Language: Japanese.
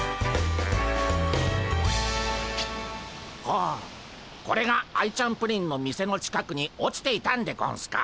ほうこれがアイちゃんプリンの店の近くに落ちていたんでゴンスか。